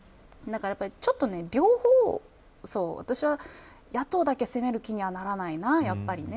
ちょっと両方野党だけ責める気にはならないなやっぱり。